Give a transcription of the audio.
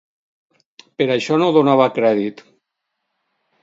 Per això no donava crèdit.